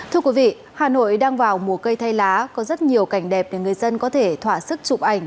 thưa quý vị hà nội đang vào mùa cây thay lá có rất nhiều cảnh đẹp để người dân có thể thỏa sức chụp ảnh